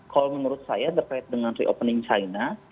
kalau menurut saya terkait dengan reopening china